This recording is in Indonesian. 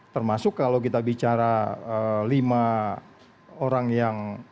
termasuk kalau kita bicara lima orang yang dianggap harus tengah dewa beberapa orang enggak sependapat ya